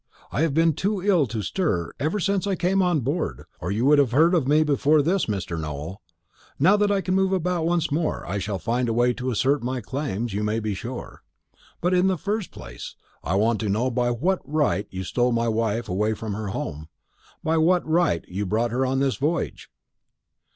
I have been too ill to stir ever since I came on board, or you would have heard of me before this, Mr. Nowell. Now that I can move about once more, I shall find a way to assert my claims, you may be sure. But in the first place, I want to know by what right you stole my wife away from her home by what right you brought her on this voyage?"